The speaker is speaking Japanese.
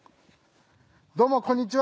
どうもこんにちは。